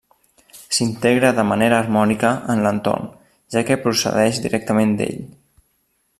S'integra de manera harmònica en l'entorn, ja que procedeix directament d'ell.